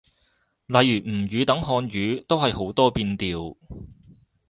例如吳語等漢語，都係好多變調